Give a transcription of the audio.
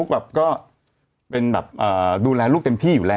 เห็นไหมล่ะ